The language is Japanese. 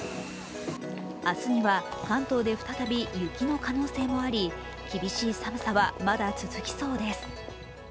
明日には関東で再び雪の可能性もあり厳しい寒さはまだ続きそうです。